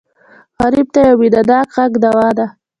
غریب ته یو مینهناک غږ دوا ده